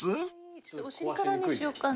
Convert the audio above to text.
ちょっとお尻からにしようかな。